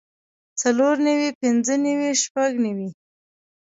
څلور نوي پنځۀ نوي شپږ نوي